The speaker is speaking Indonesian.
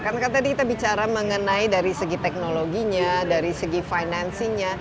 karena tadi kita bicara mengenai dari segi teknologinya dari segi finansinya